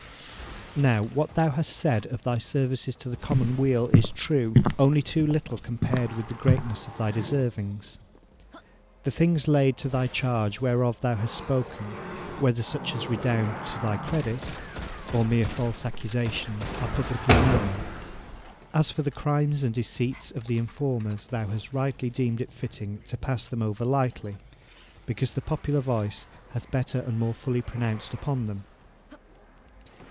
Now, what thou hast said of thy services to the commonweal is true, only too little compared with the greatness of thy deservings. The things laid to thy charge whereof thou hast spoken, whether such as redound to thy credit, or mere false accusations, are publicly known. As for the crimes and deceits of the informers, thou hast rightly deemed it fitting to pass them over lightly, because the popular voice hath better and more fully pronounced upon them.